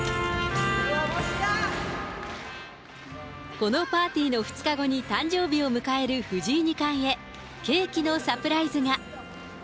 このパーティーの２日後に誕生日を迎える藤井二冠へ、ケーキのサプライズが。